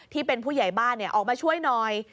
ที่เป็นผู้ใหญ่บ้านออกมาช่วยหน่อย